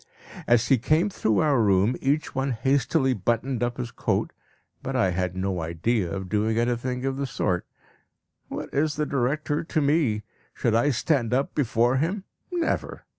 As he came through our room, each one hastily buttoned up his coat; but I had no idea of doing anything of the sort. What is the director to me? Should I stand up before him? Never.